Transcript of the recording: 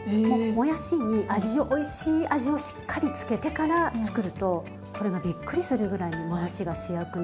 もやしに味をおいしい味をしっかり付けてから作るとこれがびっくりするぐらいにもやしが主役の。